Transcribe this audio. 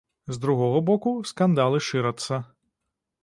З другога боку, скандалы шырацца.